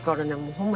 ホンマ